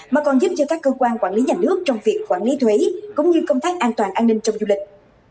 mà còn giúp cho các cơ quan quản lý nhà nước trong việc quản lý thuế cũng như công tác an toàn an ninh trong du lịch